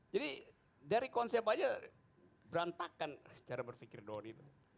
jadi dari konsep saja berantakan secara berpikir doang itu